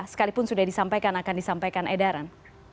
sekalipun sudah disampaikan akan disampaikan edaran